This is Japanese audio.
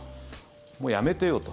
もうやめてよと。